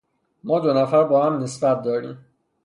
ما دو نفر با هم نسبت داریم.